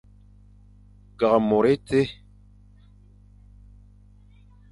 Ke môr étie.